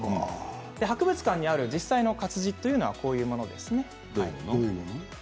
博物館にある実際の活字はこういうものですね。